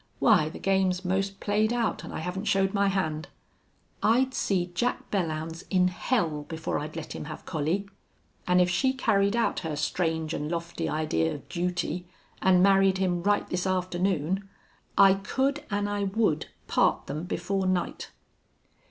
Why, the game's `most played out, an' I haven't showed my hand!... I'd see Jack Belllounds in hell before I'd let him have Collie. An' if she carried out her strange an' lofty idea of duty an' married him right this afternoon I could an' I would part them before night!"